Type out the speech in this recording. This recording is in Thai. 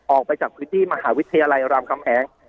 ออกไปจากพื้นที่มหาวิทยาลัยรามคำแหง